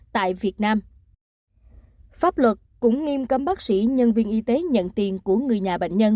tại việt nam pháp luật cũng nghiêm cấm bác sĩ nhân viên y tế nhận tiền của người nhà bệnh nhân